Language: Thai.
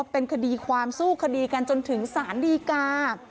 เป็นคดีความสู้คดีกันจนถึงสารดีกา